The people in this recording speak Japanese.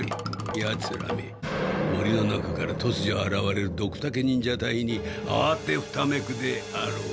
やつらめ森の中からとつじょあらわれるドクタケ忍者隊にあわてふためくであろう。